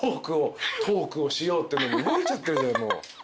トークをしようってのに動いちゃってるじゃないもう。